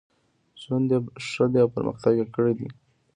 ژوند یې ښه دی او پرمختګ یې کړی دی.